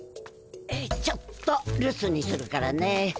ちょっと留守にするからね。